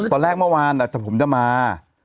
ตอนแรกเมื่อวานผมจะมา